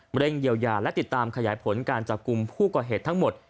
เร่งเยียวยาและติดตามขยายผลการจับกลุ่มผู้ก่อเหตุทั้งหมด